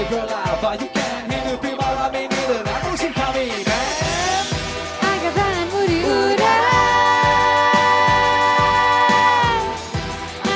hidupi malam ini dengan musim kami